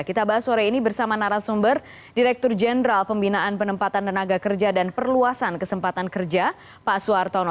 kita bahas sore ini bersama narasumber direktur jenderal pembinaan penempatan tenaga kerja dan perluasan kesempatan kerja pak suartono